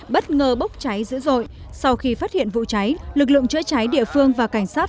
bất ngờ bốc cháy dữ dội sau khi phát hiện vụ cháy lực lượng chữa cháy địa phương và cảnh sát